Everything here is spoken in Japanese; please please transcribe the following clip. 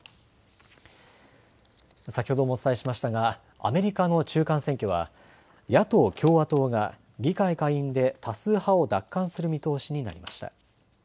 先ほどもお伝えしましたがアメリカの中間選挙は野党・共和党が議会下院で多数派を奪還する見通しになりました。